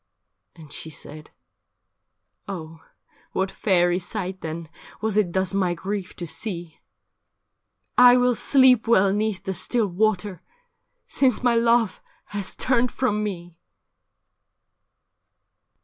And she said, ' Oh, what fairy sight then Was it thus my grief to see ? I will sleep well 'neath the still water, Since my love has turned from me.'